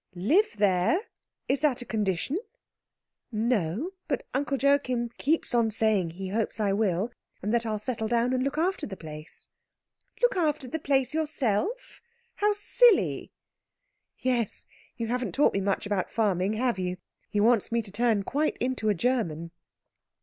"Live there! Is that a condition?" "No, but Uncle Joachim keeps on saying he hopes I will, and that I'll settle down and look after the place." "Look after the place yourself? How silly!" "Yes, you haven't taught me much about farming, have you? He wants me to turn quite into a German."